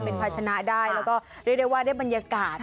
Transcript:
เป็นภาชนะได้แล้วก็เรียกได้ว่าได้บรรยากาศ